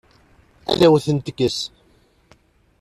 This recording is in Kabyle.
Ad awen-ten-tekkes?